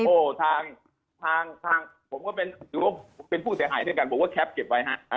โอ้ทางผมก็เป็นผู้เสียหายเท่ากันบอกว่าแคปเก็บไว้ครับ